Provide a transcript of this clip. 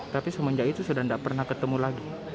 tapi semenjak itu sudah tidak pernah ketemu lagi